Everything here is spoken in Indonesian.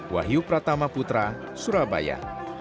wahyu pratama putra surabaya